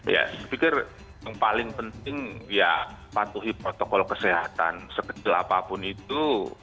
ya saya pikir yang paling penting ya patuhi protokol kesehatan sekecil apapun itu